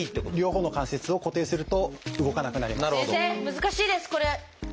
難しいですこれ。